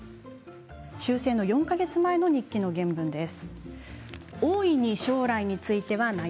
終戦の４か月前の日記の原文です。